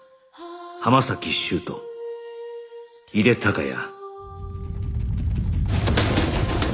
浜崎修斗井手孝也